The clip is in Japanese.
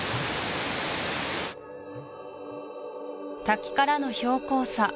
滝からの標高差